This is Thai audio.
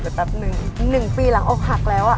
ไปแปบนึงหนึ่งปีหลังอกหักแล้วอะ